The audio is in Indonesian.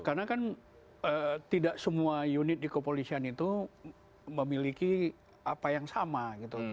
karena kan tidak semua unit di kepolisian itu memiliki apa yang sama gitu